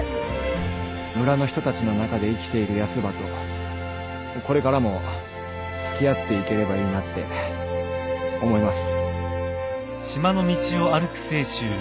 村の人たちの中で生きているヤスばとこれからも付き合っていければいいなって思います。